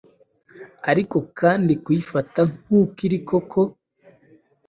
Ariko kandi kuyifata nk’uko iri koko,